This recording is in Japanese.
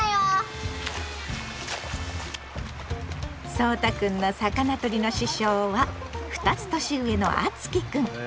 そうたくんの魚とりの師匠は２つ年上のあつきくん。